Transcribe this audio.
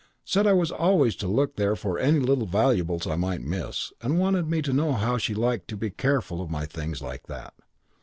Said I was always to look there for any little valuables I might miss, and wanted me to know how she liked to be careful of my things like that.